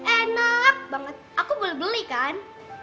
enak banget aku boleh beli kan